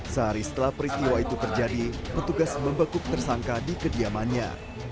sehari setelah peristiwa itu terjadi petugas membekuk tersangka di kediamannya